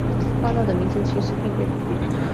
八道的名称其实并非不变。